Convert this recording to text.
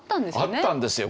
あったんですよ。